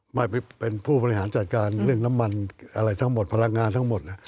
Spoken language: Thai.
ไม่เป็นผู้บริหารจัดการเรื่องน้ำมันอะไรทั้งหมดพลังงานทั้งหมด